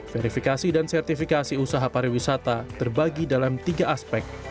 verifikasi dan sertifikasi usaha pariwisata terbagi dalam tiga aspek